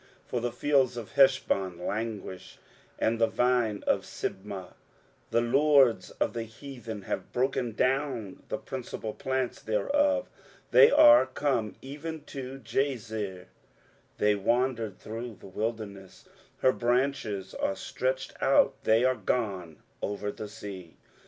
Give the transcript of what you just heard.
23:016:008 For the fields of Heshbon languish, and the vine of Sibmah: the lords of the heathen have broken down the principal plants thereof, they are come even unto Jazer, they wandered through the wilderness: her branches are stretched out, they are gone over the sea.